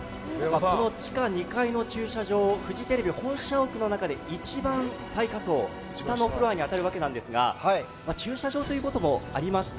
この地下２階の駐車場をフジテレビ本社屋の中で一番最下層、下のフロアに当たるわけですが駐車場ということもありまして